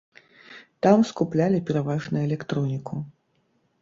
Там скуплялі пераважна электроніку.